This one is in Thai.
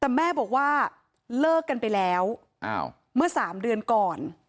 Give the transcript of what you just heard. แต่แม่บอกว่าเลิกกันไปแล้วเมื่อ๓เดือนก่อน